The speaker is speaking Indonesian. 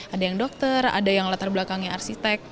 ada yang dokter ada yang latar belakang yang arsitek